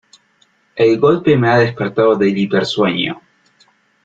El golpe me ha despertado del hipersueño.